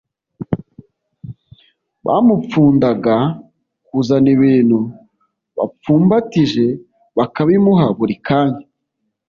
bamupfundaga: kuzana ibintu bapfumbatije bakabimuha buri kanya